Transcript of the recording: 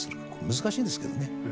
難しいですけどね。